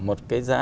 một cái gia đình